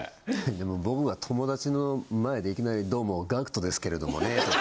でも僕が友達の前でいきなりどうもＧＡＣＫＴですけれどもねとか。